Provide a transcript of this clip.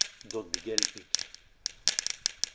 Don Miguel Vich.